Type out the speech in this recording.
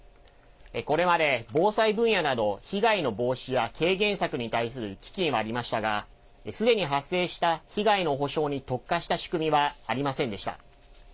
これまで防災分野など被害の防止や軽減策に対する基金はありましたがすでに発生した被害の補償に特化した仕組みはありませんでした。